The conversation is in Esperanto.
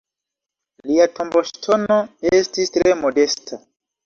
Lia tomboŝtono estis tre modesta.